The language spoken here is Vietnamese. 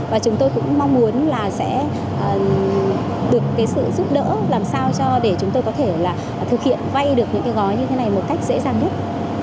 và chúng tôi cũng mong muốn là sẽ được cái sự giúp đỡ làm sao để chúng tôi có thể là thực hiện vay được những cái gói như thế này một cách dễ dàng nhất